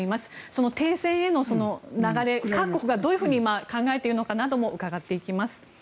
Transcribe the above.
その停戦への流れ各国がどう考えているのかなども伺っていきます。